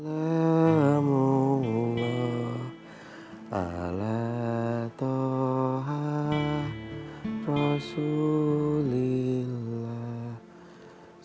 alaikum salam allah ala ta'ha rasulillah